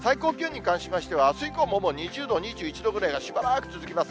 最高気温に関しましては、あす以降も、２０度、２１度がしばらく続きます。